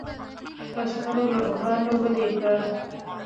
په سترو لوبغالو ولیکه